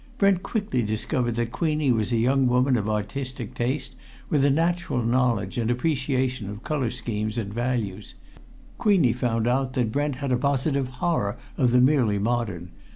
Brent quickly discovered that Queenie was a young woman of artistic taste with a natural knowledge and appreciation of colour schemes and values; Queenie found out that Brent had a positive horror of the merely modern.